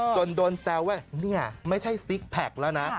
จนโดนแซวว่านี่ไม่ใช่ซิกแพคแล้วนะ